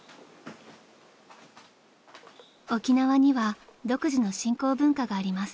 ［沖縄には独自の信仰文化があります］